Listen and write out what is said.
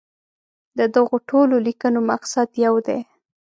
د دغو ټولو لیکنو مقصد یو دی.